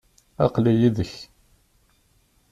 aql-i yid-k.